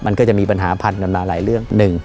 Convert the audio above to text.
มันก็จะมีปัญหาพันกันมาหลายเรื่อง